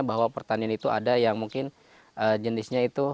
bahwa pertanian itu ada yang mungkin jenisnya itu